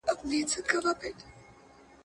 چی له خولې به یې تیاره مړۍ لوېږی